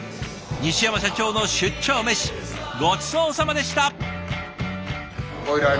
西山社長の出張メシごちそうさまでした。